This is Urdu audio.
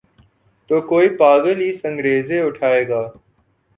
تو کوئی پاگل ہی سنگریزے اٹھائے گا۔